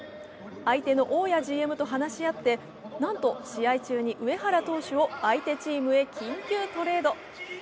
相手の大矢ＧＭと話し合って、なんと試合中に上原投手を相手チームへ緊急トレード。